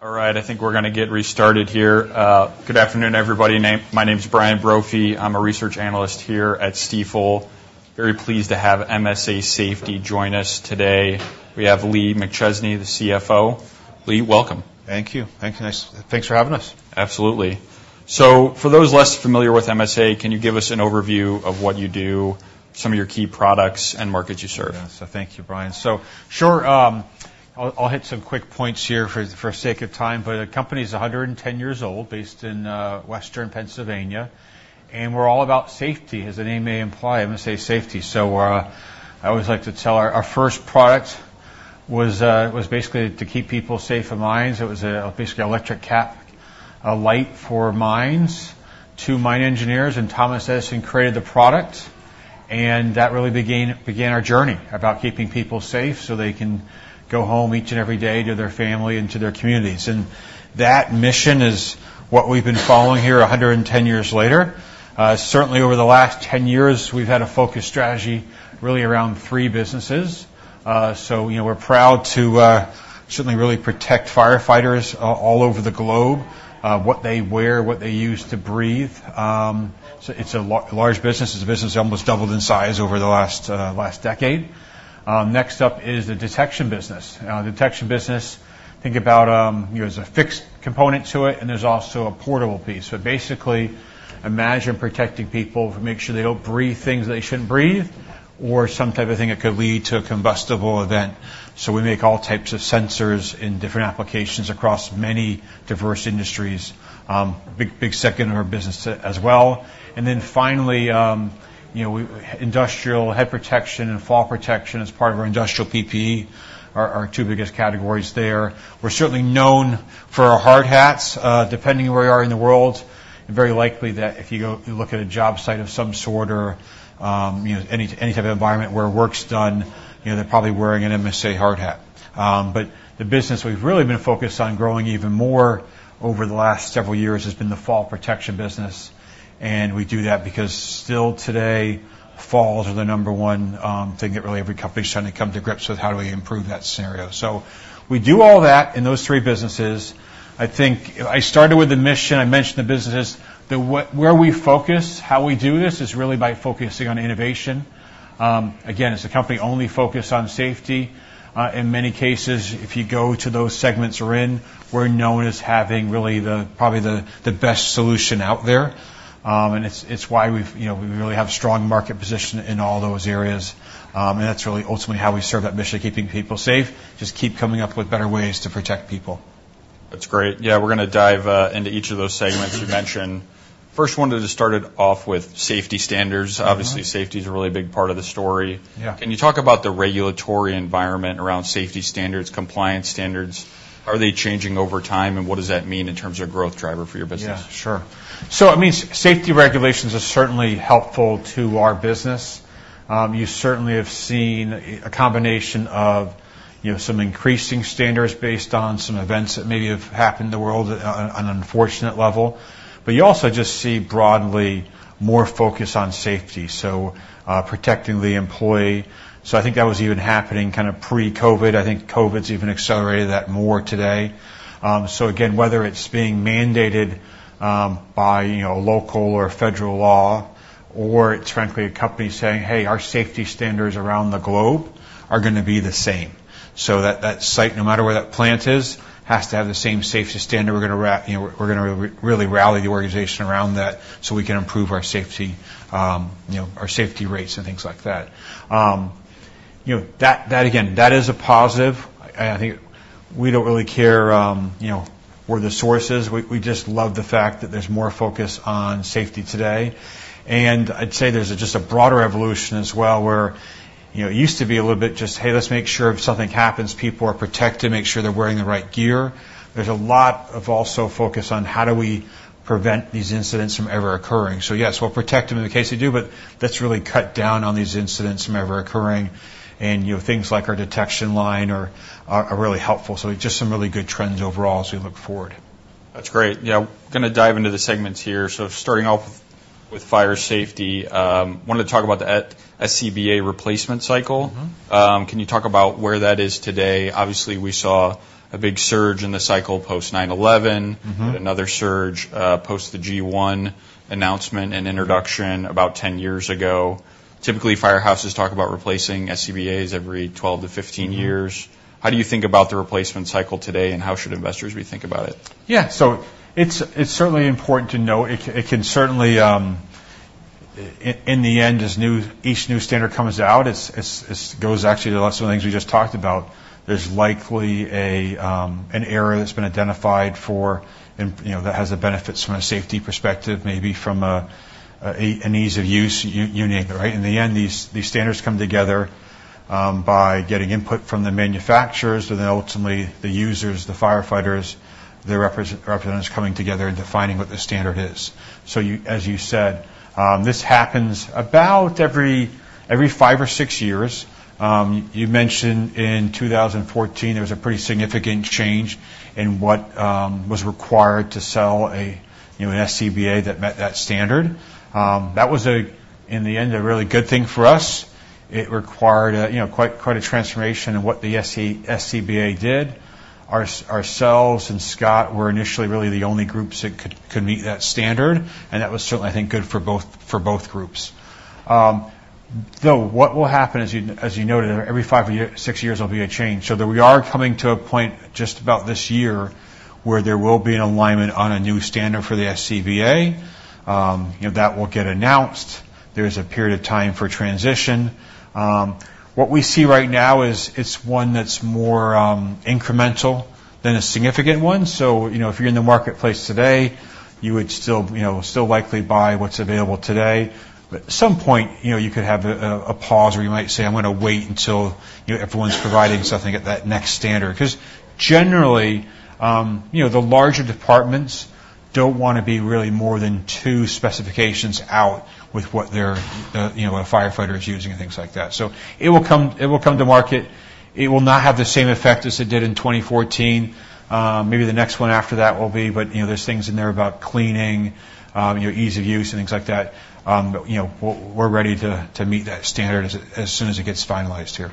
All right, I think we're gonna get restarted here. Good afternoon, everybody. My name is Brian Brophy. I'm a research analyst here at Stifel. Very pleased to have MSA Safety join us today. We have Lee McChesney, the CFO. Lee, welcome. Thank you. Thank you. Thanks for having us. Absolutely. So for those less familiar with MSA, can you give us an overview of what you do, some of your key products and markets you serve? Yeah. Thank you, Brian. Sure, I'll hit some quick points here for sake of time, but the company is a 110 years old, based in Western Pennsylvania, and we're all about safety, as the name may imply, MSA Safety. I always like to tell our first product was basically to keep people safe in mines. It was basically an electric cap light for mines. Two mine engineers and Thomas Edison created the product, and that really began our journey about keeping people safe so they can go home each and every day to their family and to their communities. That mission is what we've been following here a hundred and ten years later. Certainly over the last ten years, we've had a focus strategy really around three businesses. So, you know, we're proud to certainly really protect firefighters all over the globe, what they wear, what they use to breathe. So it's a large business. It's a business that almost doubled in size over the last decade. Next up is the detection business. Now, the detection business, think about, there's a fixed component to it, and there's also a portable piece. So basically, imagine protecting people to make sure they don't breathe things they shouldn't breathe, or some type of thing that could lead to a combustible event. So we make all types of sensors in different applications across many diverse industries. Big second of our business as well. And then finally, you know, industrial head protection and fall protection as part of our industrial PPE are our two biggest categories there. We're certainly known for our hard hats. Depending on where you are in the world, very likely that if you go... you look at a job site of some sort, or, you know, any type of environment where work's done, you know, they're probably wearing an MSA hard hat. But the business we've really been focused on growing even more over the last several years has been the fall protection business, and we do that because still today, falls are the number one thing that really every company is trying to come to grips with, how do we improve that scenario? So we do all that in those three businesses. I think I started with the mission. I mentioned the businesses. Where we focus, how we do this, is really by focusing on innovation. Again, as a company, only focused on safety. In many cases, if you go to those segments we're in, we're known as having really, probably the best solution out there, and it's why we've, you know, we really have a strong market position in all those areas, and that's really ultimately how we serve that mission, keeping people safe. Just keep coming up with better ways to protect people. That's great. Yeah, we're gonna dive into each of those segments you mentioned. First, wanted to start it off with safety standards. Obviously, safety is a really big part of the story. Yeah. Can you talk about the regulatory environment around safety standards, compliance standards? Are they changing over time, and what does that mean in terms of growth driver for your business? Yeah, sure. So, I mean, safety regulations are certainly helpful to our business. You certainly have seen a combination of, you know, some increasing standards based on some events that maybe have happened in the world on an unfortunate level. But you also just see broadly more focus on safety, so, protecting the employee. So I think that was even happening kind of pre-COVID. I think COVID's even accelerated that more today. So again, whether it's being mandated by, you know, local or federal law, or it's frankly, a company saying, "Hey, our safety standards around the globe are gonna be the same." So that site, no matter where that plant is, has to have the same safety standard. We're gonna ra-... You know, we're gonna really rally the organization around that, so we can improve our safety, you know, our safety rates and things like that. You know, that, that again, that is a positive, and I think we don't really care, you know, where the source is. We, we just love the fact that there's more focus on safety today, and I'd say there's just a broader evolution as well, where, you know, it used to be a little bit just, "Hey, let's make sure if something happens, people are protected, make sure they're wearing the right gear." There's a lot of also focus on how do we prevent these incidents from ever occurring. So yes, we'll protect them in the case they do, but let's really cut down on these incidents from ever occurring. And, you know, things like our detection line are really helpful. So just some really good trends overall as we look forward. That's great. Yeah, gonna dive into the segments here. So starting off with fire safety, wanted to talk about the SCBA replacement cycle. Mm-hmm. Can you talk about where that is today? Obviously, we saw a big surge in the cycle post 9/11. Mm-hmm. Another surge post the G1 announcement and introduction about 10 years ago. Typically, firehouses talk about replacing SCBA every 12-15 years. How do you think about the replacement cycle today, and how should investors be thinking about it? Yeah, so it's certainly important to note, it can certainly, in the end, as each new standard comes out, it goes actually to some of the things we just talked about. There's likely an error that's been identified for, and, you know, that has the benefits from a safety perspective, maybe from an ease of use unique, right? In the end, these standards come together by getting input from the manufacturers, and then ultimately, the users, the firefighters, the representatives coming together and defining what the standard is. So you, as you said, this happens about every five or six years. You mentioned in 2014, there was a pretty significant change in what was required to sell a, you know, an SCBA that met that standard. That was, in the end, a really good thing for us. It required, you know, quite a transformation in what the SCBA did. Ourselves and Scott were initially really the only groups that could meet that standard, and that was certainly, I think, good for both groups. Though, what will happen, as you noted, every six years there will be a change, so that we are coming to a point just about this year, where there will be an alignment on a new standard for the SCBA. You know, that will get announced. There's a period of time for transition. What we see right now is it's one that's more incremental than a significant one. So, you know, if you're in the marketplace today, you would still, you know, still likely buy what's available today. But at some point, you know, you could have a pause where you might say, "I'm gonna wait until, you know, everyone's providing something at that next standard." 'Cause generally, you know, the larger departments don't wanna be really more than two specifications out with what their, you know, a firefighter is using and things like that. So it will come to market. It will not have the same effect as it did in 2014. Maybe the next one after that will be, but, you know, there's things in there about cleaning, your ease of use, and things like that. You know, we're ready to meet that standard as soon as it gets finalized here.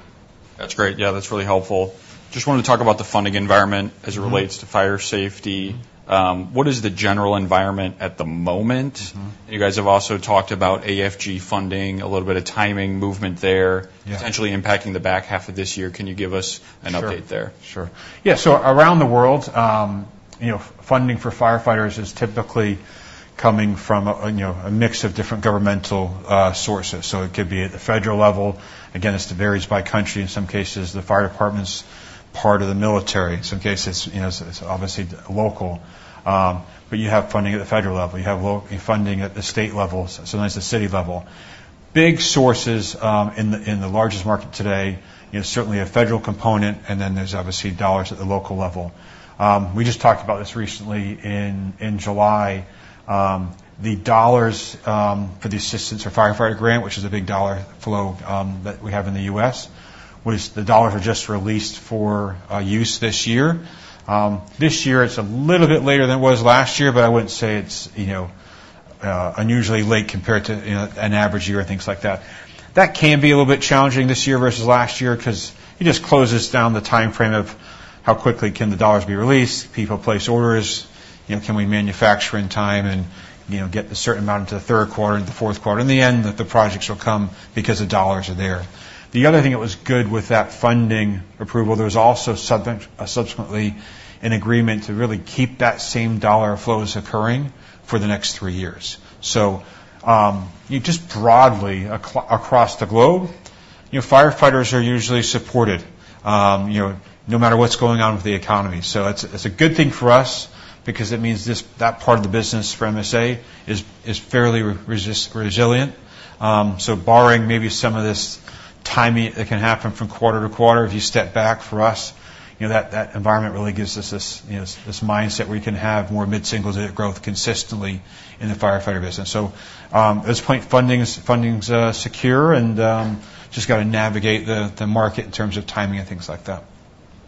That's great. Yeah, that's really helpful. Just wanted to talk about the funding environment as it relates to fire safety. What is the general environment at the moment? You guys have also talked about AFG funding, a little bit of timing movement there-potentially impacting the back half of this year. Can you give us an update there? Sure. Sure. Yeah, so around the world, you know, funding for firefighters is typically coming from a, you know, a mix of different governmental sources, so it could be at the federal level. Again, it varies by country. In some cases, the fire department's part of the military. In some cases, you know, it's obviously local. But you have funding at the federal level. You have funding at the state level, sometimes the city level. Big sources in the largest market today, you know, certainly a federal component, and then there's obviously dollars at the local level. We just talked about this recently in July. The dollars for the Assistance to Firefighters Grant, which is a big dollar flow that we have in the U.S., was the dollars were just released for use this year. This year, it's a little bit later than it was last year, but I wouldn't say it's, you know, unusually late compared to, you know, an average year or things like that. That can be a little bit challenging this year versus last year, 'cause it just closes down the timeframe of how quickly can the dollars be released, people place orders, you know, can we manufacture in time and, you know, get a certain amount into the third quarter and the fourth quarter. In the end, the projects will come because the dollars are there. The other thing that was good with that funding approval, there was also subsequently an agreement to really keep that same dollar flows occurring for the next three years. So, you just broadly across the globe, you know, firefighters are usually supported, you know, no matter what's going on with the economy. So it's a good thing for us because it means this, that part of the business for MSA is fairly resilient. So borrowing maybe some of this timing that can happen from quarter to quarter, if you step back for us, you know, that environment really gives us this, you know, this mindset where we can have more mid-single-digit growth consistently in the firefighter business. So, at this point, funding is, funding's secure, and just gotta navigate the market in terms of timing and things like that.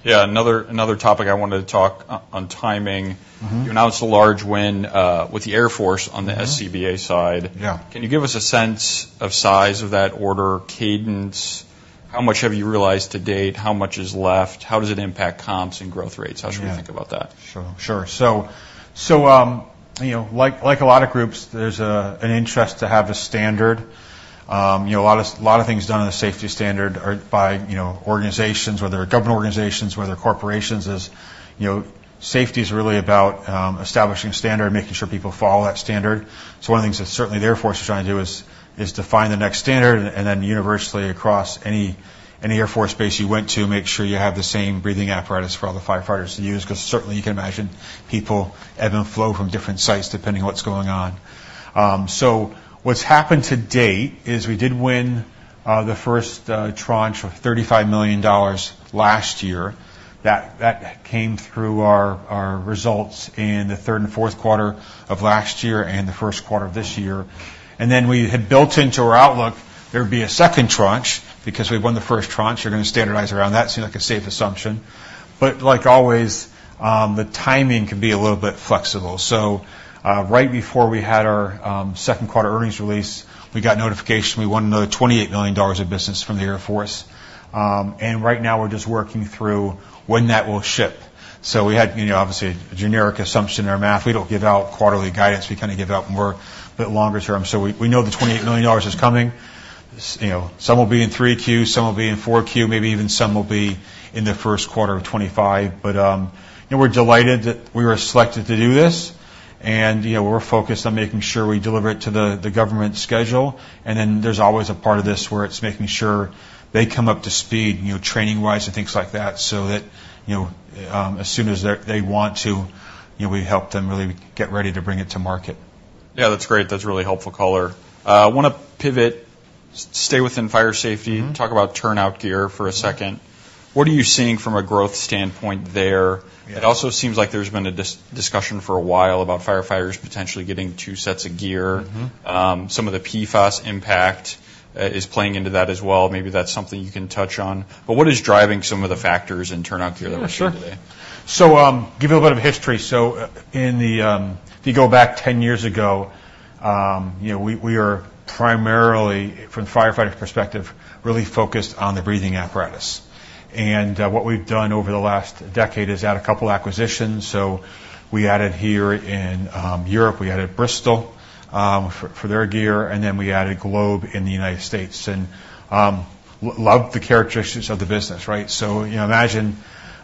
Yeah. Another topic I wanted to talk on timing. Mm-hmm. You announced a large win with the Air Force on the SCBA side. Yeah. Can you give us a sense of size of that order, cadence? How much have you realized to date? How much is left? How does it impact comps and growth rates? Yeah. How should we think about that? Sure. So, you know, like a lot of groups, there's an interest to have a standard. You know, a lot of things done in a safety standard are by organizations, whether they're government organizations, whether they're corporations, safety is really about establishing a standard, making sure people follow that standard. One of the things that certainly the Air Force is trying to do is to find the next standard, and then universally, across any Air Force base you went to, make sure you have the same breathing apparatus for all the firefighters to use, 'cause certainly you can imagine people ebb and flow from different sites, depending on what's going on. So what's happened to date is we did win the first tranche of $35 million last year. That came through our results in the third and fourth quarter of last year and the first quarter of this year. And then we had built into our outlook there would be a second tranche. Because we won the first tranche, you're gonna standardize around that, seemed like a safe assumption. But like always, the timing can be a little bit flexible. So, right before we had our second quarter earnings release, we got notification we won another $28 million of business from the Air Force. And right now, we're just working through when that will ship. So we had, you know, obviously a generic assumption in our math. We don't give out quarterly guidance. We kind of give out more bit longer term. So we know the $28 million is coming. You know, some will be in 3Q, some will be in 4Q, maybe even some will be in the first quarter of 2025. But, and we're delighted that we were selected to do this, and, you know, we're focused on making sure we deliver it to the, the government schedule, and then there's always a part of this where it's making sure they come up to speed, you know, training-wise and things like that, so that, you know, as soon as they're, they want to, you know, we help them really get ready to bring it to market. Yeah, that's great. That's a really helpful color. I wanna pivot, stay within fire safety. Mm-hmm. Talk about turnout gear for a second. What are you seeing from a growth standpoint there? Yeah. It also seems like there's been a discussion for a while about firefighters potentially getting two sets of gear. Mm-hmm. Some of the PFAS impact is playing into that as well. Maybe that's something you can touch on, but what is driving some of the factors in turnout gear that we're seeing today? Sure. So, give you a bit of history. So if you go back 10 years ago. You know, we are primarily, from the firefighter perspective, really focused on the breathing apparatus. And what we've done over the last decade is add a couple acquisitions. So we added here in Europe, we added Bristol for their gear, and then we added Globe in the United States. And loved the characteristics of the business, right? So, you know, imagine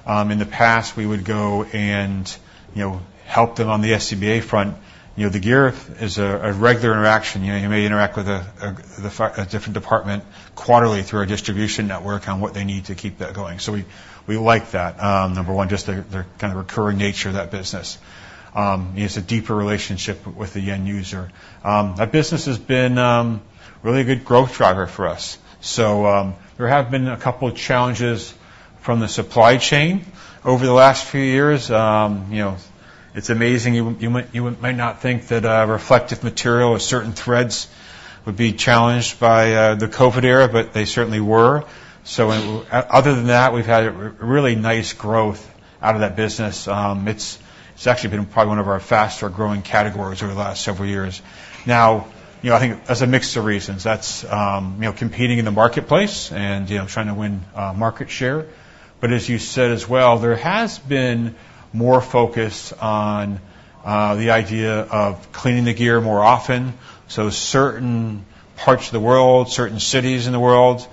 in the past, we would go and, you know, help them on the SCBA front. You know, the gear is a regular interaction. You know, you may interact with a different department quarterly through our distribution network on what they need to keep that going. So we like that. Number one, just the kind of recurring nature of that business. It's a deeper relationship with the end user. That business has been really a good growth driver for us. So, there have been a couple of challenges from the supply chain over the last few years. You know, it's amazing, you might not think that reflective material or certain threads would be challenged by the COVID era, but they certainly were. So other than that, we've had a really nice growth out of that business. It's actually been probably one of our faster-growing categories over the last several years. Now, you know, I think there's a mix of reasons. That's you know, competing in the marketplace and, you know, trying to win market share. But as you said as well, there has been more focus on the idea of cleaning the gear more often. So certain parts of the world, certain cities in the world,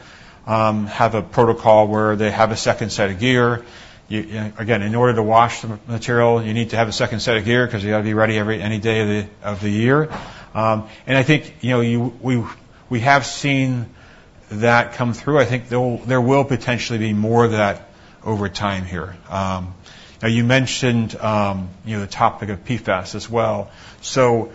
have a protocol where they have a second set of gear. Again, in order to wash the material, you need to have a second set of gear 'cause you gotta be ready every any day of the year. And I think, you know, we have seen that come through. I think there will potentially be more of that over time here. Now, you mentioned, you know, the topic of PFAS as well. So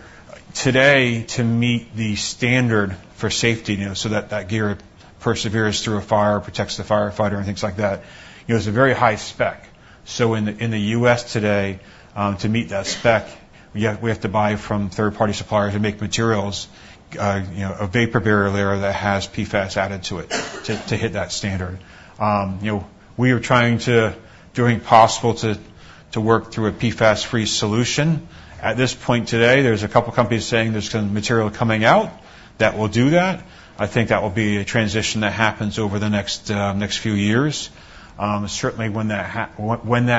today, to meet the standard for safety, you know, so that that gear perseveres through a fire, protects the firefighter, and things like that, you know, it's a very high spec. So in the U.S. today, to meet that spec, we have to buy from third-party suppliers who make materials, you know, a vapor barrier layer that has PFAS added to it, to hit that standard. You know, we are trying to do everything possible to work through a PFAS-free solution. At this point today, there's a couple companies saying there's some material coming out that will do that. I think that will be a transition that happens over the next few years. Certainly, when that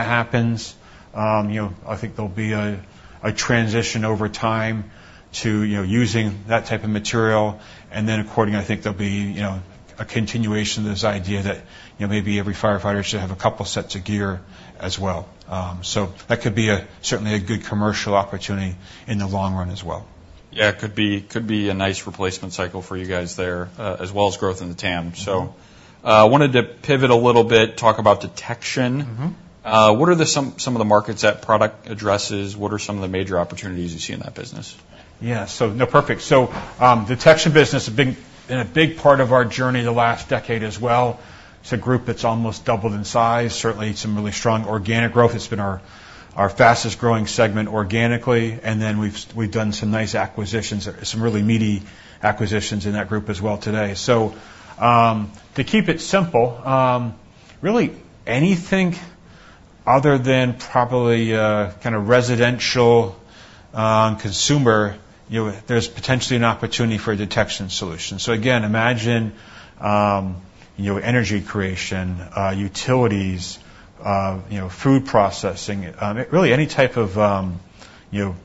happens, you know, I think there'll be a transition over time to, you know, using that type of material, and then according, I think there'll be, you know, a continuation of this idea that, you know, maybe every firefighter should have a couple sets of gear as well. So that could be certainly a good commercial opportunity in the long run as well. Yeah, it could be, could be a nice replacement cycle for you guys there, as well as growth in the TAM. So, wanted to pivot a little bit, talk about detection. Mm-hmm. What are some of the markets that product addresses? What are some of the major opportunities you see in that business? Yeah, so no, perfect. So, detection business, a big, been a big part of our journey the last decade as well. It's a group that's almost doubled in size, certainly some really strong organic growth. It's been our fastest-growing segment organically, and then we've done some nice acquisitions, some really meaty acquisitions in that group as well today. To keep it simple, really anything other than probably kind of residential consumer, you know, there's potentially an opportunity for a detection solution. Again, imagine you know, energy creation, utilities, you know, food processing, really any type of you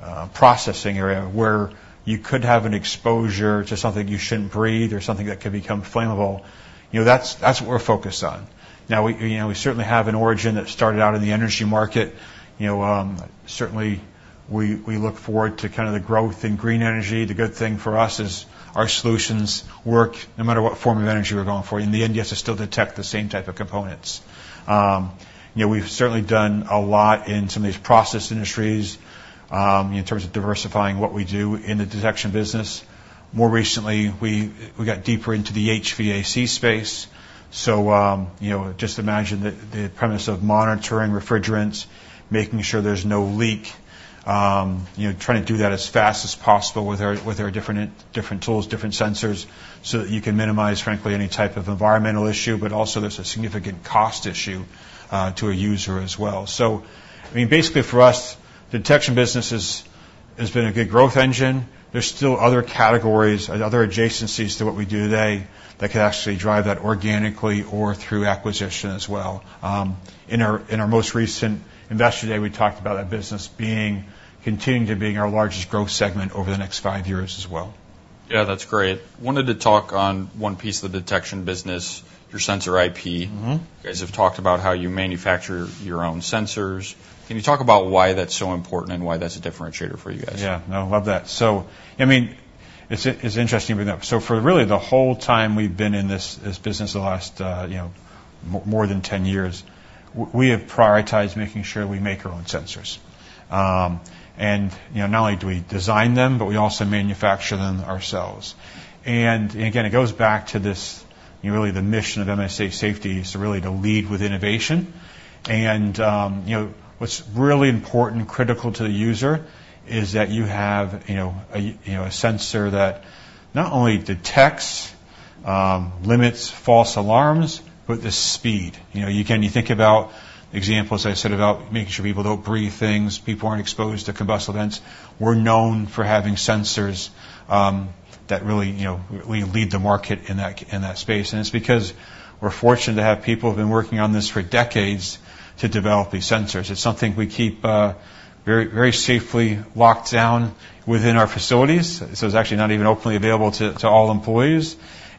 know processing area where you could have an exposure to something you shouldn't breathe or something that could become flammable, you know, that's what we're focused on. Now, we, you know, we certainly have an origin that started out in the energy market. You know, certainly, we, we look forward to kind of the growth in green energy. The good thing for us is our solutions work no matter what form of energy we're going for. In the end, you have to still detect the same type of components. You know, we've certainly done a lot in some of these process industries, in terms of diversifying what we do in the detection business. More recently, we, we got deeper into the HVAC space. So, you know, just imagine the premise of monitoring refrigerants, making sure there's no leak, you know, trying to do that as fast as possible with our different tools, different sensors, so that you can minimize, frankly, any type of environmental issue, but also there's a significant cost issue to a user as well. I mean, basically for us, detection business is, has been a good growth engine. There's still other categories and other adjacencies to what we do today that could actually drive that organically or through acquisition as well. In our most recent Investor Day, we talked about that business continuing to be our largest growth segment over the next five years as well. Yeah, that's great. Wanted to talk on one piece of the detection business, your sensor IP. Mm-hmm. You guys have talked about how you manufacture your own sensors. Can you talk about why that's so important and why that's a differentiator for you guys? Yeah. No, I love that. So, I mean, it's interesting, you know. So for really the whole time we've been in this business, the last, you know, more than 10 years, we have prioritized making sure we make our own sensors. And, you know, not only do we design them, but we also manufacture them ourselves. And again, it goes back to this, you know, really the mission of MSA Safety is to really to lead with innovation. And, you know, what's really important, critical to the user is that you have, you know, a sensor that not only detects limits false alarms, but the speed. You know, you can think about examples I said about making sure people don't breathe things, people aren't exposed to combustible vents. We're known for having sensors that really, you know, we lead the market in that, in that space, and it's because we're fortunate to have people who've been working on this for decades to develop these sensors. It's something we keep very, very safely locked down within our facilities. So it's actually not even openly available to all employees.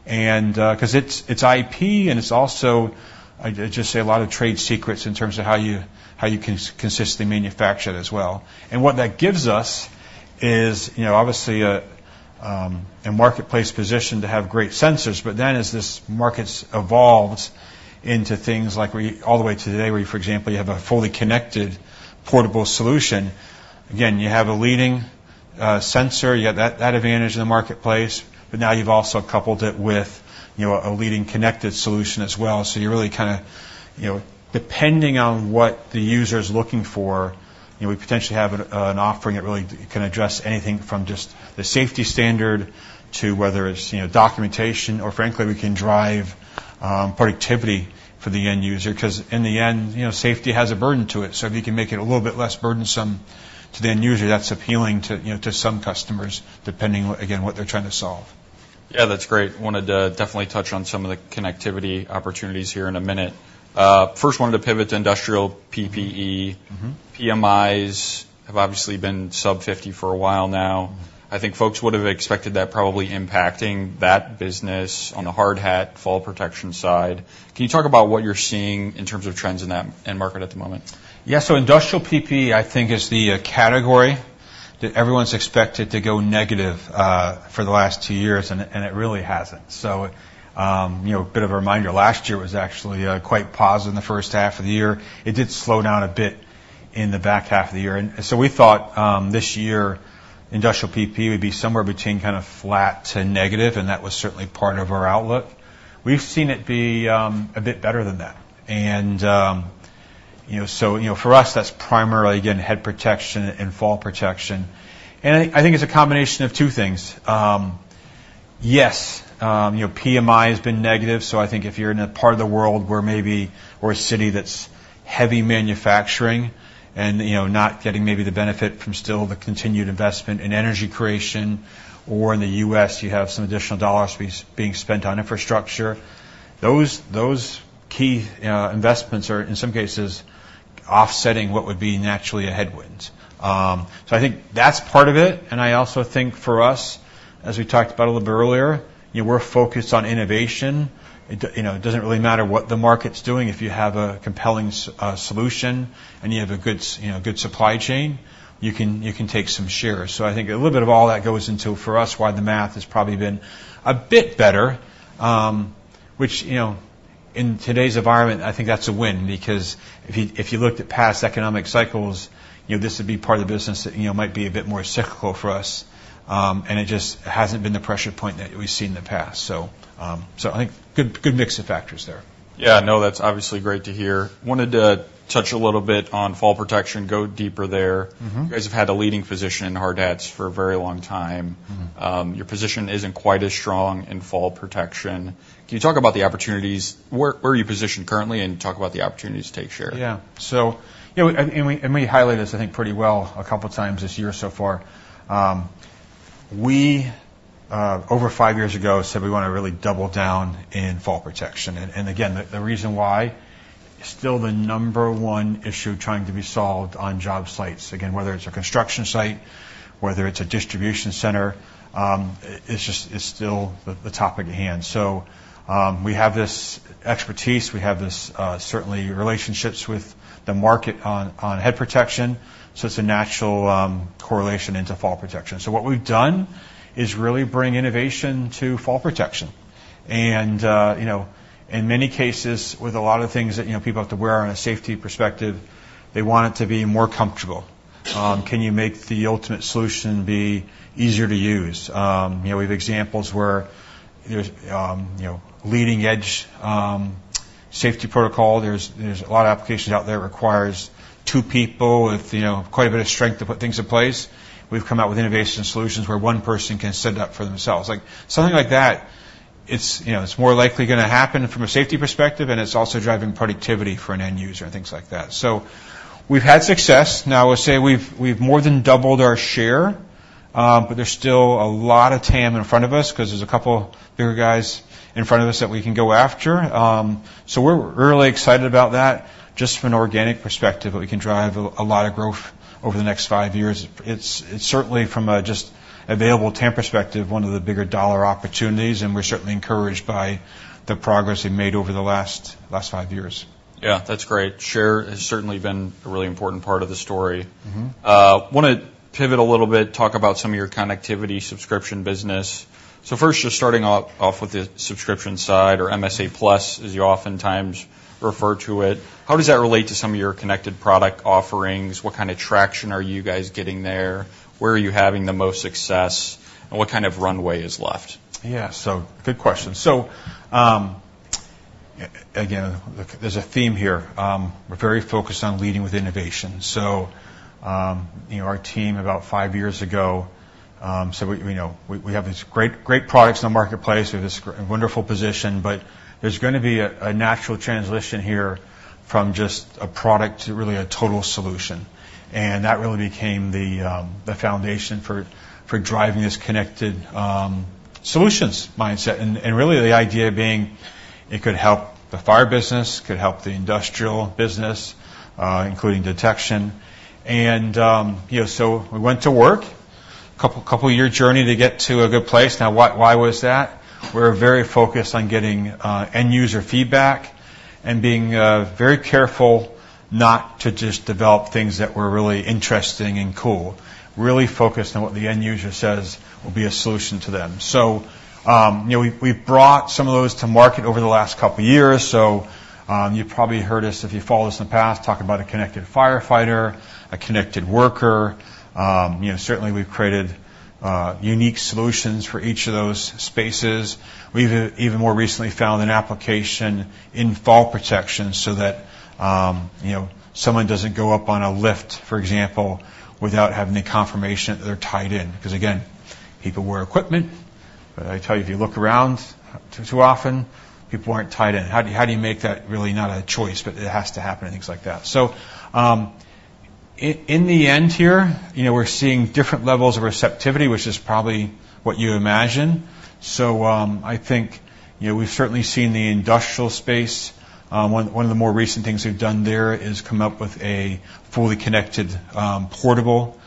And 'cause it's IP, and it's also, I'd just say, a lot of trade secrets in terms of how you consistently manufacture it as well. And what that gives us is, you know, obviously, a marketplace position to have great sensors, but then as this market's evolved into things like we all the way to today, where, for example, you have a fully connected portable solution, again, you have a leading sensor, you have that advantage in the marketplace, but now you've also coupled it with, you know, a leading connected solution as well. So you really kind of, you know, depending on what the user is looking for, you know, we potentially have an offering that really can address anything from just the safety standard to whether it's, you know, documentation, or frankly, we can drive productivity for the end user, 'cause in the end, you know, safety has a burden to it. So if you can make it a little bit less burdensome to the end user, that's appealing to, you know, to some customers, depending on, again, what they're trying to solve. Yeah, that's great. Wanted to definitely touch on some of the connectivity opportunities here in a minute. First, wanted to pivot to industrial PPE. Mm-hmm. PMIs have obviously been sub fifty for a while now. I think folks would have expected that probably impacting that business on the hard hat, fall protection side. Can you talk about what you're seeing in terms of trends in that end market at the moment? Yeah, so industrial PPE, I think, is the category that everyone's expected to go negative for the last two years, and it really hasn't. So, you know, a bit of a reminder, last year was actually quite positive in the first half of the year. It did slow down a bit in the back half of the year. And so we thought, this year, industrial PPE would be somewhere between kind of flat to negative, and that was certainly part of our outlook. We've seen it be a bit better than that. And, you know, so, you know, for us, that's primarily, again, head protection and fall protection. And I think it's a combination of two things. Yes, you know, PMI has been negative, so I think if you're in a part of the world where maybe or a city that's heavy manufacturing and, you know, not getting maybe the benefit from still the continued investment in energy creation, or in the U.S., you have some additional dollars being spent on infrastructure. Those key investments are, in some cases, offsetting what would be naturally a headwind. So I think that's part of it, and I also think for us, as we talked about a little bit earlier, you know, we're focused on innovation. You know, it doesn't really matter what the market's doing. If you have a compelling solution and you have a good supply chain, you can take some shares. So I think a little bit of all that goes into, for us, why the math has probably been a bit better, which, you know, in today's environment, I think that's a win, because if you looked at past economic cycles, you know, this would be part of the business that, you know, might be a bit more cyclical for us. And it just hasn't been the pressure point that we've seen in the past. So I think good mix of factors there. Yeah, no, that's obviously great to hear. Wanted to touch a little bit on fall protection, go deeper there. Mm-hmm. You guys have had a leading position in hard hats for a very long time. Mm-hmm. Your position isn't quite as strong in fall protection. Can you talk about the opportunities? Where are you positioned currently, and talk about the opportunities to take share? Yeah. So, you know, and we highlighted this, I think, pretty well a couple of times this year so far. We over five years ago said we wanna really double down in fall protection. And again, the reason why, still the number one issue trying to be solved on job sites. Again, whether it's a construction site, whether it's a distribution center, it's just, it's still the topic at hand. So, we have this expertise, we have this certainly relationships with the market on head protection, so it's a natural correlation into fall protection. So what we've done is really bring innovation to fall protection. And, you know, in many cases, with a lot of things that, you know, people have to wear on a safety perspective, they want it to be more comfortable. Can you make the ultimate solution be easier to use? You know, we have examples where there's leading edge safety protocol. There's a lot of applications out there requires two people with, you know, quite a bit of strength to put things in place. We've come out with innovation solutions where one person can set it up for themselves. Like, something like that, it's, you know, it's more likely gonna happen from a safety perspective, and it's also driving productivity for an end user and things like that. So we've had success. Now, I would say we've more than doubled our share, but there's still a lot of TAM in front of us, 'cause there's a couple bigger guys in front of us that we can go after. So we're really excited about that, just from an organic perspective, that we can drive a lot of growth over the next five years. It's certainly from a just available TAM perspective, one of the bigger dollar opportunities, and we're certainly encouraged by the progress we made over the last five years. Yeah, that's great. Share has certainly been a really important part of the story. Mm-hmm. Wanna pivot a little bit, talk about some of your connectivity subscription business. So first, just starting off with the subscription side or MSA+, as you oftentimes refer to it, how does that relate to some of your connected product offerings? What kind of traction are you guys getting there? Where are you having the most success, and what kind of runway is left? Yeah, so good question. So, again, there's a theme here. We're very focused on leading with innovation. So, you know, our team, about five years ago, said, you know, we have these great, great products in the marketplace. We have this wonderful position, but there's gonna be a natural transition here from just a product to really a total solution. And that really became the foundation for driving this connected solutions mindset, and really, the idea being it could help the fire business, it could help the industrial business, including detection, and, you know, so we went to work. Couple of year journey to get to a good place. Now, why was that? We're very focused on getting end user feedback and being very careful not to just develop things that were really interesting and cool. Really focused on what the end user says will be a solution to them. So, you know, we've brought some of those to market over the last couple of years. So, you probably heard us, if you follow us in the past, talk about a connected firefighter, a connected worker. You know, certainly we've created unique solutions for each of those spaces. We've even more recently found an application in fall protection so that, you know, someone doesn't go up on a lift, for example, without having a confirmation that they're tied in. 'Cause again, people wear equipment, but I tell you, if you look around, too often, people aren't tied in. How do you make that really not a choice, but it has to happen, and things like that. So, in the end here, you know, we're seeing different levels of receptivity, which is probably what you imagine. So, I think, you know, we've certainly seen the industrial space. One of the more recent things we've done there is come up with a fully connected portable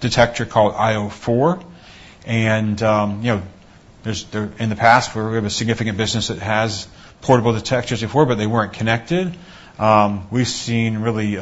detector called io4. And, you know, there, in the past, we have a significant business that has portable detectors before, but they weren't connected. We've seen really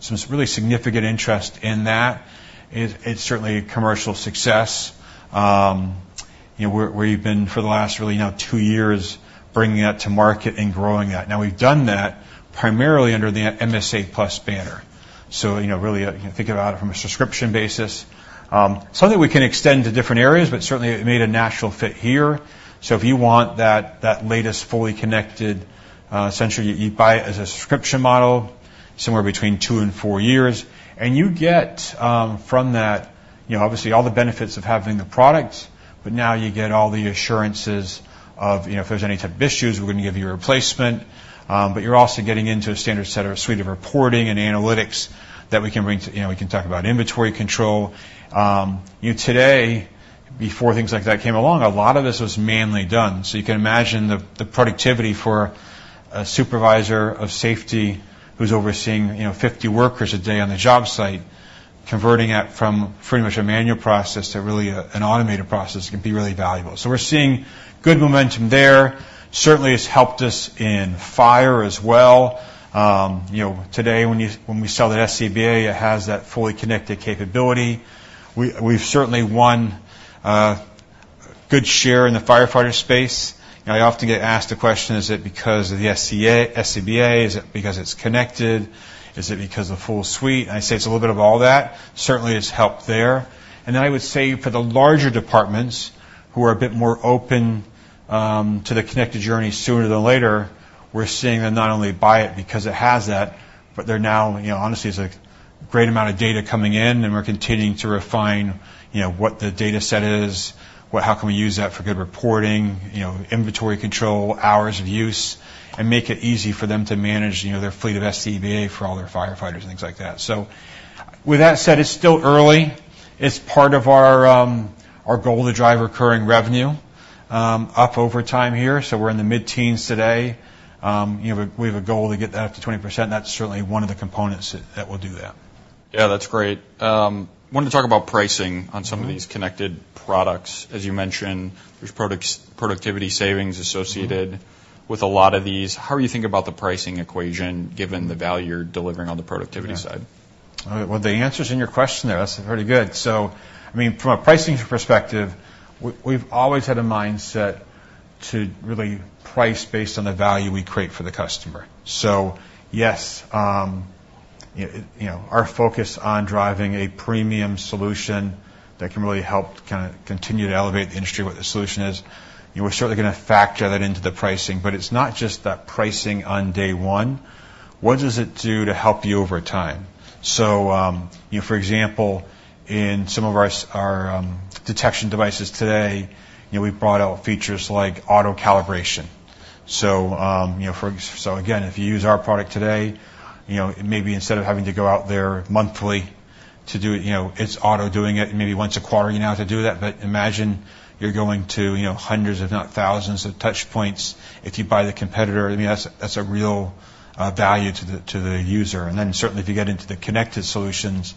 some really significant interest in that. It, it's certainly a commercial success. You know, we're, we've been for the last, really, now two years, bringing that to market and growing that. Now, we've done that primarily under the MSA+ banner. So, you know, really, you can think about it from a subscription basis. Something we can extend to different areas, but certainly it made a natural fit here. So if you want that, that latest, fully connected, essentially, you, you buy it as a subscription model, somewhere between two and four years, and you get, from that, you know, obviously all the benefits of having the product, but now you get all the assurances of, you know, if there's any type of issues, we're gonna give you a replacement. But you're also getting into a standard set or a suite of reporting and analytics that we can bring to... You know, we can talk about inventory control. You today, before things like that came along, a lot of this was manually done. So you can imagine the productivity for a supervisor of safety who's overseeing, you know, 50 workers a day on the job site, converting that from pretty much a manual process to really an automated process, can be really valuable. So we're seeing good momentum there. Certainly, it's helped us in fire as well. You know, today, when we sell the SCBA, it has that fully connected capability. We, we've certainly won a good share in the firefighter space. And I often get asked the question: Is it because of the SCA, SCBA? Is it because it's connected? Is it because of the full suite? And I say it's a little bit of all that. Certainly, it's helped there. And then I would say for the larger departments who are a bit more open to the connected journey, sooner than later, we're seeing them not only buy it because it has that, but they're now, you know, honestly, it's a great amount of data coming in, and we're continuing to refine, you know, what the data set is, how can we use that for good reporting, you know, inventory control, hours of use, and make it easy for them to manage, you know, their fleet of SCBA for all their firefighters and things like that. So with that said, it's still early. It's part of our goal to drive recurring revenue up over time here. So we're in the mid-teens today. You know, we've a goal to get that up to 20%. That's certainly one of the components that will do that. Yeah, that's great. Wanted to talk about pricing on some-of these connected products. As you mentioned, there's products, productivity savings associated-with a lot of these. How do you think about the pricing equation, given the value you're delivering on the productivity side? Yeah. Well, the answer's in your question there. That's pretty good. So, I mean, from a pricing perspective, we, we've always had a mindset to really price based on the value we create for the customer. So yes, you know, our focus on driving a premium solution that can really help kinda continue to elevate the industry, what the solution is, you know, we're certainly gonna factor that into the pricing, but it's not just that pricing on day one. What does it do to help you over time? So, you know, for example, in some of our detection devices today, you know, we've brought out features like auto-calibration. So, you know, again, if you use our product today, you know, maybe instead of having to go out there monthly to do it, you know, it's auto-doing it, maybe once a quarter, you now have to do that, but imagine you're going to, you know, hundreds, if not thousands, of touch points if you buy the competitor. I mean, that's a real value to the user, and then certainly, if you get into the connected solutions,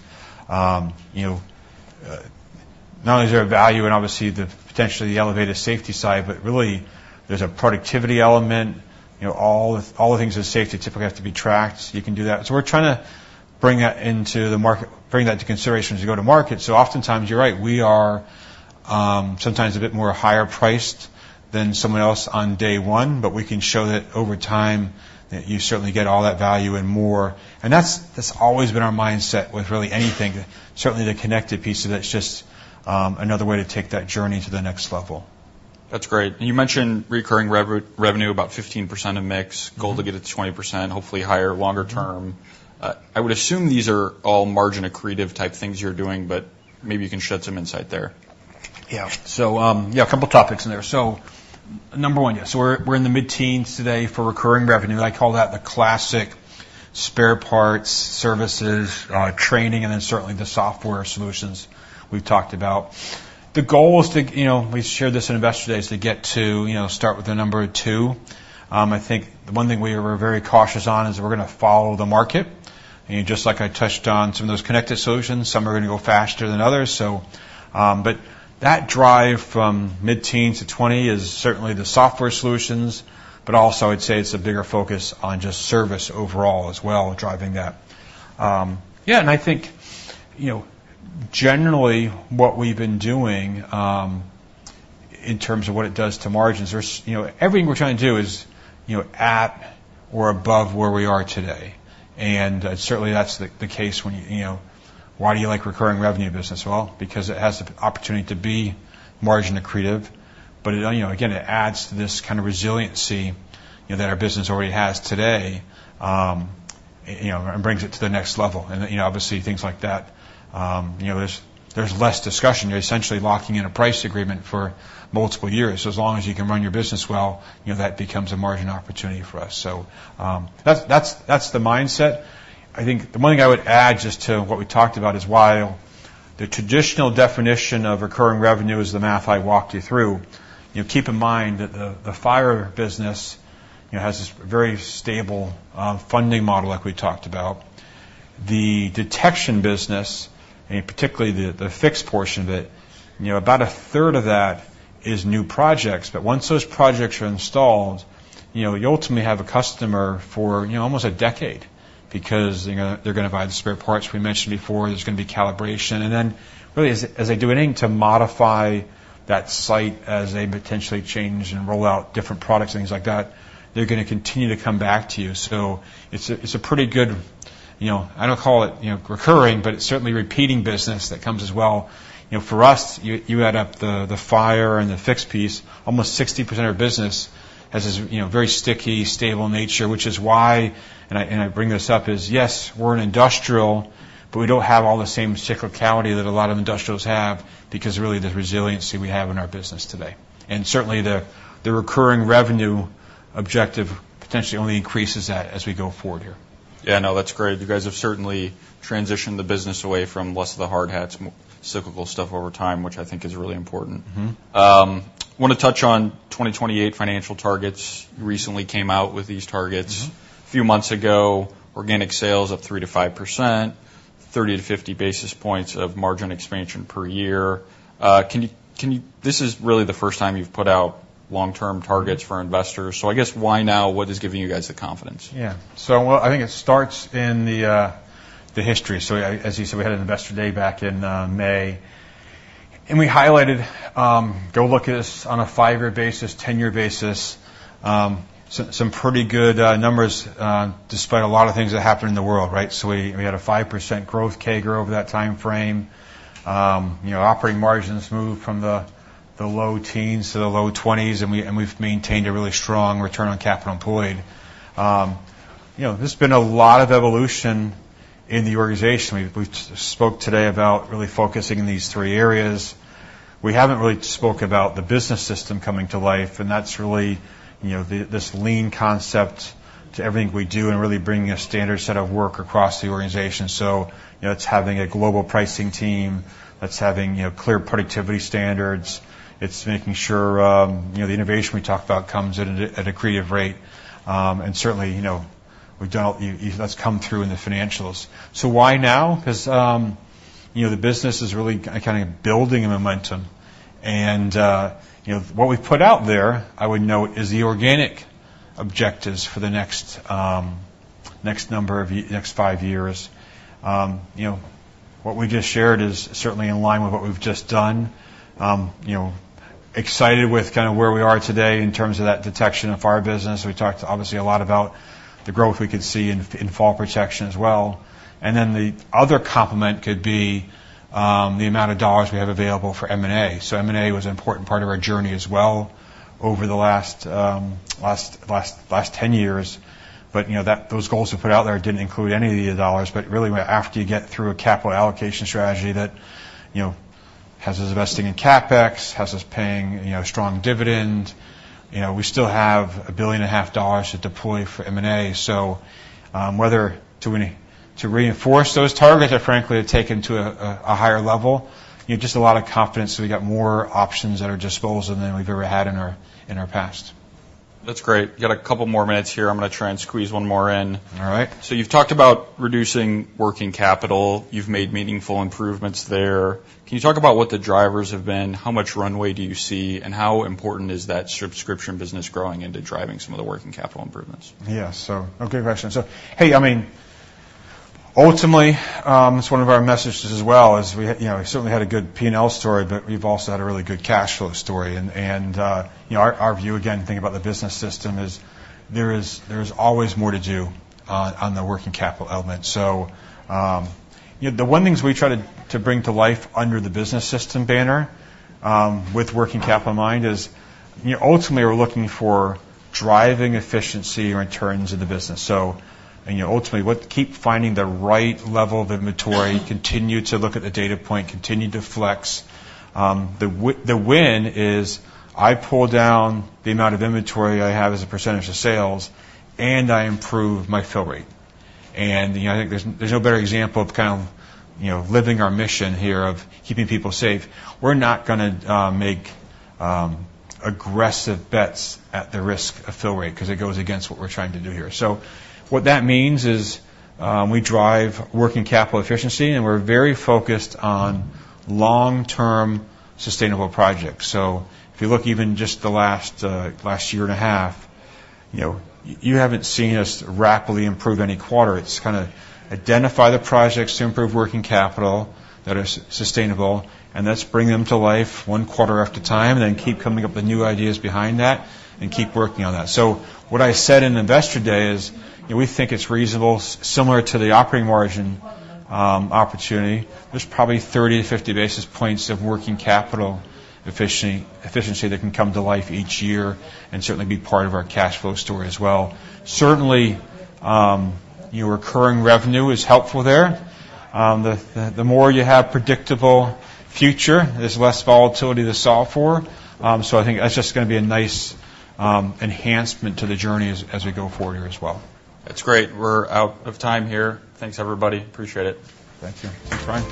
you know, not only is there a value in, obviously, the potentially elevated safety side, but really there's a productivity element. You know, all the things with safety typically have to be tracked. You can do that, so we're trying to bring that into consideration as you go to market. So oftentimes, you're right, we are, sometimes a bit more higher priced than someone else on day one, but we can show that over time, that you certainly get all that value and more. And that's, that's always been our mindset with really anything. Certainly, the connected piece of that's just, another way to take that journey to the next level. .That's great. And you mentioned recurring revenue, about 15% of mix, goal to get it to 20%, hopefully higher longer term. I would assume these are all margin accretive type things you're doing, but maybe you can shed some insight there. Yeah. So, yeah, a couple of topics in there. So number one, yes, we're in the mid-teens today for recurring revenue. I call that the classic spare parts, services, training, and then certainly the software solutions we've talked about. The goal is to, you know, we shared this in Investor Day, is to get to, you know, start with a number two. I think the one thing we are very cautious on is we're going to follow the market. And just like I touched on some of those connected solutions, some are going to go faster than others. So, but that drive from mid-teen to 20 is certainly the software solutions, but also I'd say it's a bigger focus on just service overall as well, driving that. Yeah, and I think, you know, generally, what we've been doing, in terms of what it does to margins, there's, you know, everything we're trying to do is, you know, at or above where we are today. Certainly, that's the case when, you know. Why do you like recurring revenue business? Well, because it has the opportunity to be margin accretive, but, you know, again, it adds to this kind of resiliency, you know, that our business already has today, you know, and brings it to the next level. Obviously, things like that, you know, there's less discussion. You're essentially locking in a price agreement for multiple years. As long as you can run your business well, you know, that becomes a margin opportunity for us. That's the mindset. I think the one thing I would add just to what we talked about is while the traditional definition of recurring revenue is the math I walked you through, you know, keep in mind that the fire business, you know, has this very stable funding model like we talked about. The detection business, and particularly the fixed portion of it, you know, about a third of that is new projects, but once those projects are installed, you know, you ultimately have a customer for, you know, almost a decade because, you know, they're going to buy the spare parts we mentioned before, there's going to be calibration. And then, really, as they do anything to modify that site, as they potentially change and roll out different products, things like that, they're gonna continue to come back to you. So it's a pretty good, you know, I don't call it, you know, recurring, but it's certainly repeating business that comes as well. You know, for us, you add up the fire and the fixed piece. Almost 60% of business has this, you know, very sticky, stable nature, which is why, and I bring this up, is, yes, we're an industrial, but we don't have all the same cyclicality that a lot of industrials have because, really, the resiliency we have in our business today. And certainly, the recurring revenue objective potentially only increases that as we go forward here. Yeah, no, that's great. You guys have certainly transitioned the business away from less of the hard hats, more cyclical stuff over time, which I think is really important. Mm-hmm. Want to touch on 2028 financial targets. You recently came out with these targets. Mm-hmm. A few months ago, organic sales up 3%-5%, 30-50 basis points of margin expansion per year. Can you—this is really the first time you've put out long-term targets for investors. So I guess, why now? What is giving you guys the confidence? Yeah. I think it starts in the history. As you said, we had an Investor Day back in May, and we highlighted, go look at us on a five-year basis, ten-year basis, some pretty good numbers, despite a lot of things that happened in the world, right? We had a 5% growth CAGR over that time frame. You know, operating margins moved from the low teens to the low 20s, and we've maintained a really strong return on capital employed. You know, there's been a lot of evolution in the organization. We spoke today about really focusing on these three areas. We haven't really spoke about the business system coming to life, and that's really, you know, this lean concept to everything we do and really bringing a standard set of work across the organization. So, you know, it's having a global pricing team, that's having, you know, clear productivity standards. It's making sure, you know, the innovation we talked about comes at a, at accretive rate. And certainly, you know, we don't, that's come through in the financials. So why now? Because, you know, the business is really kinda building a momentum. And, you know, what we've put out there, I would note, is the organic objectives for the next five years. You know, what we just shared is certainly in line with what we've just done. You know, excited with kinda where we are today in terms of that detection and fire business. We talked obviously a lot about the growth we could see in fall protection as well. Then the other complement could be the amount of dollars we have available for M&A. M&A was an important part of our journey as well over the last ten years. You know, that, those goals we put out there didn't include any of the dollars. Really, after you get through a capital allocation strategy that, you know, has us investing in CapEx, has us paying, you know, strong dividend, you know, we still have $1.5 billion to deploy for M&A. Whether to reinforce those targets or frankly, to take them to a higher level, you know, just a lot of confidence that we got more options at our disposal than we've ever had in our past. That's great. You got a couple more minutes here. I'm gonna try and squeeze one more in. All right. So you've talked about reducing working capital. You've made meaningful improvements there. Can you talk about what the drivers have been? How much runway do you see, and how important is that subscription business growing into driving some of the working capital improvements? Yeah, so, okay, got you. So, hey, I mean, ultimately, it's one of our messages as well, is we, you know, we certainly had a good P&L story, but we've also had a really good cash flow story. And you know, our view, again, thinking about the business system, is there is always more to do on the working capital element. So you know, the one things we try to bring to life under the business system banner, with working capital in mind, is you know, ultimately, we're looking for driving efficiency or returns in the business. So and yeah, ultimately, keep finding the right level of inventory, continue to look at the data point, continue to flex. The win is I pull down the amount of inventory I have as a percentage of sales, and I improve my fill rate. You know, I think there's no better example of kind of, you know, living our mission here of keeping people safe. We're not gonna make aggressive bets at the risk of fill rate, 'cause it goes against what we're trying to do here. What that means is, we drive working capital efficiency, and we're very focused on long-term sustainable projects. If you look even just the last year and a half, you know, you haven't seen us rapidly improve any quarter. It's kind of identify the projects to improve working capital that are sustainable, and let's bring them to life one quarter at a time, and then keep coming up with new ideas behind that and keep working on that. What I said in Investor Day is, you know, we think it's reasonable, similar to the operating margin opportunity, there's probably 30 to 50 basis points of working capital efficiency that can come to life each year and certainly be part of our cash flow story as well. Certainly, your recurring revenue is helpful there. The more you have predictable future, there's less volatility to solve for. I think that's just gonna be a nice enhancement to the journey as we go forward here as well. That's great. We're out of time here. Thanks, everybody. Appreciate it. Thank you. Thanks, Ryan.